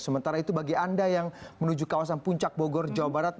sementara itu bagi anda yang menuju kawasan puncak bogor jawa barat